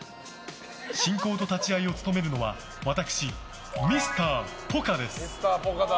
進行と立ち会いを務めるのは私、Ｍｒ．ポカです。